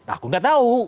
aku gak tahu